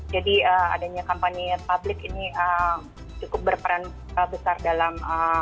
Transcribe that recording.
jadi adanya kampanye publik ini cukup berperan besar dalam